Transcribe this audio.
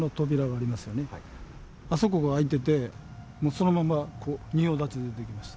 あそこが開いてて、もうそのまま仁王立ちで出てきました。